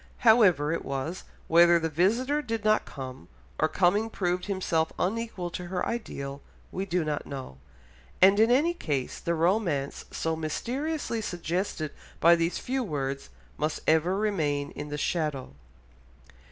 However it was, whether the visitor did not come, or coming proved himself unequal to her ideal, we do not know, and in any case the romance so mysteriously suggested by these few words, must ever remain in the shadow.